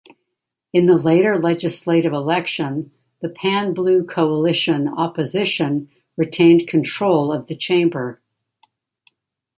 In the later legislative election, the Pan-Blue Coalition opposition retained control of the chamber.